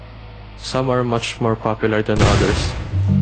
Some are much more popular than others.